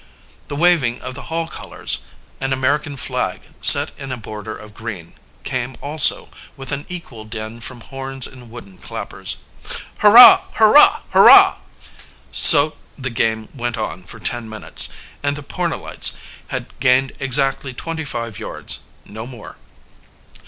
The waving of the Hall colors, an American flag set in a border of green, came also, with an equal din from horns and wooden clappers. "Hurrah! hurrah! hurrah!" So, the game went on for ten minutes, and the Pornellites had gained exactly twenty five yards no more.